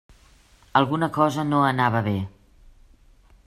Alguna cosa no anava bé.